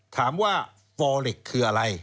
ถามว่าฟอเล็กคืออะไร